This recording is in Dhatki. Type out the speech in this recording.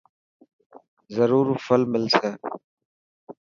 زرور ڦل ملسي .